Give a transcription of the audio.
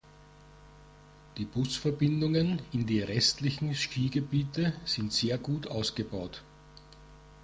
Die Busverbindungen in die restlichen Skigebiete sind sehr gut ausgebaut.